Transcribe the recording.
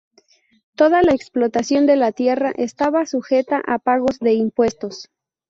Toda la explotación de la tierra estaba sujeta a pagos de impuestos.